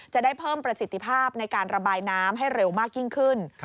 จะได้เพิ่มประสิทธิภาพในการระบายน้ำให้เร็วมากยิ่งขึ้น